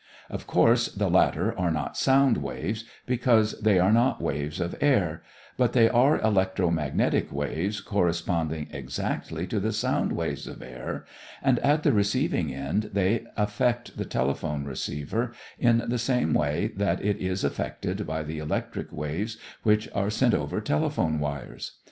Of course, the latter are not sound waves, because they are not waves of air, but they are electro magnetic waves corresponding exactly to the sound waves of air and at the receiving end they affect the telephone receiver in the same way that it is affected by the electric waves which are sent over telephone wires.